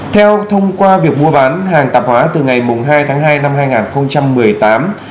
theo thông qua việc mua bán hàng tạp hóa từ ngày hai tháng hai năm hai nghìn một mươi tám